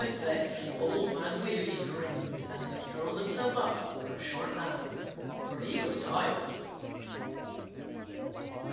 With this, Old Man Coyote grinned and then curled himself up for a short nap, for he was tired.